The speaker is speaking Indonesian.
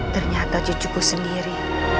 ternyata cucuku sendiri